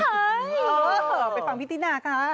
เออไปฟังพี่ตินาค่ะ